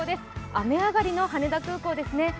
雨上がりの羽田空港ですね。